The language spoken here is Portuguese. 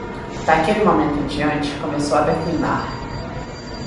Daquele momento em diante, começou a declinar.